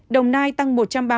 đồng nai tăng một trăm ba mươi hai